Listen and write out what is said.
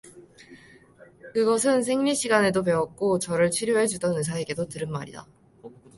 그것은 생리 시간에도 배웠고 저를 치료해 주던 의사에게도 들은 말이다.